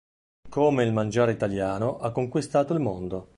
Come il mangiare italiano ha conquistato il mondo".